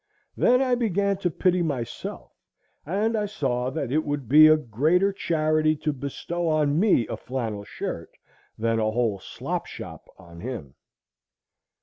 Then I began to pity myself, and I saw that it would be a greater charity to bestow on me a flannel shirt than a whole slop shop on him.